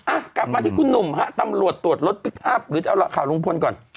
อ่ะกลับมาที่คุณหนุ่มฮะตำรวจตรวจรถพลิกอัพหรือจะเอาข่าวลุงพลก่อน